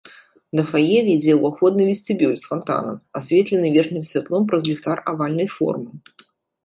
Да фае вядзе ўваходны вестыбюль з фантанам, асветлены верхнім святлом праз ліхтар авальнай формы.